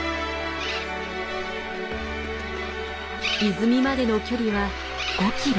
泉までの距離は５キロ。